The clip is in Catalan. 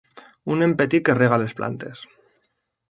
Un nen petit que rega les plantes